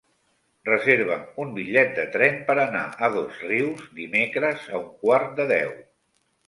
Reserva'm un bitllet de tren per anar a Dosrius dimecres a un quart de deu.